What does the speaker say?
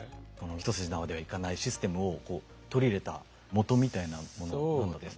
一筋縄ではいかないシステムをこう取り入れたもとみたいなものって。